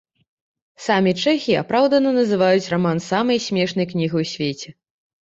Самі чэхі апраўдана называюць раман самай смешнай кнігай у свеце.